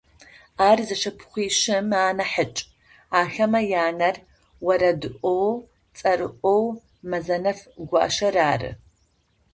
Ар зэшыпхъуищым анахьыкӏ, ахэмэ янэр орэдыӏо цӏэрыӏоу Мэзэнэф-Гуащэр ары.